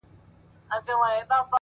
وخت د هر چا لپاره برابر دی’